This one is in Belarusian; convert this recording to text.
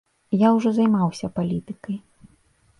Я ўжо займаўся палітыкай.